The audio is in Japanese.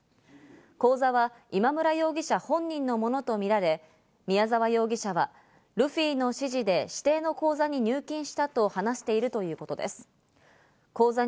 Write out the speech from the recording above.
口座は今村容疑者本人のものとみられ、宮沢容疑者はルフィの指示で指定の口座に入金したと話しているということです。